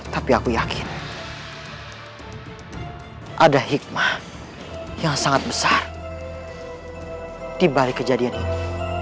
tapi aku yakin ada hikmah yang sangat besar dibalik kejadian ini